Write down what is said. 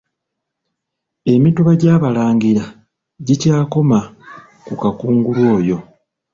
Emituba gy'Abalangira gikyakoma ku Kakungulu oyo.